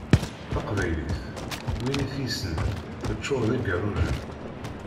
Taqbaylit, win i s-yessnen, teččur d igerrujen.